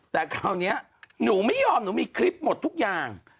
แต่คราวนี้หนูไม่ยอมหนูมีคลิปหมดทุกอย่าง